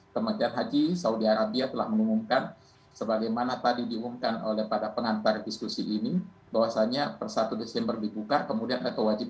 kementerian haji saudi arabia telah mengumumkan sebagaimana tadi diumumkan oleh para pengantar diskusi ini bahwasannya per satu desember dibuka kemudian ada kewajiban